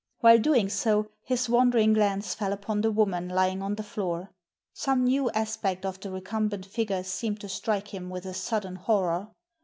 While doing so his wandering glance fell upon the woman lying on the floor. Some new aspect of the recum bent figure seemed to strike him with a sudden horror.